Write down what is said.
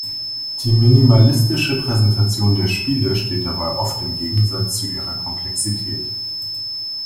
Die minimalistische Präsentation der Spiele steht dabei oft im Gegensatz zu ihrer Komplexität.